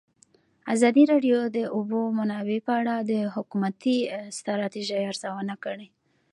ازادي راډیو د د اوبو منابع په اړه د حکومتي ستراتیژۍ ارزونه کړې.